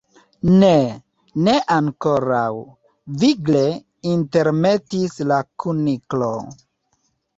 "Ne, ne ankoraŭ," vigle intermetis la Kuniklo.